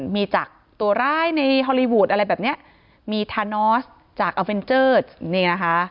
มีจากตัวร้ายในฮอลลีวูดอะไรแบบเนี้ยมีทานอสจากอัลเวนเจอร์นี่นะคะ